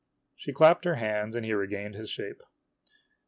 She clapped her hands, and he regained his shape.